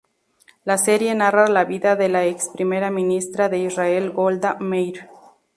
La serie narra la vida de la ex primera ministra de Israel Golda Meir.